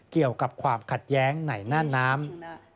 เกี่ยวกับความขัดแย้งในหน้าน้ำ